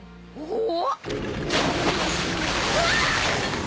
おお。